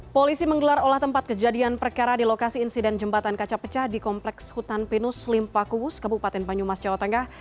polisi menggelar olah tempat kejadian perkara di lokasi insiden jembatan kaca pecah di kompleks hutan pinus limpa kuus kabupaten banyumas jawa tengah